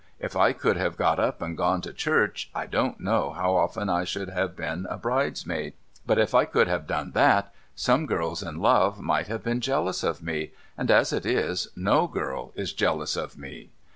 If I could have got up and gone to church, I don't know how often I should have been a bridesmaid. But, if I could have done that, some girls in love might have been jealous of me, and, as it is, no girl is jealous of me.